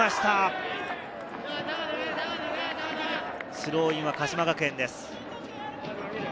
スローインは鹿島学園です。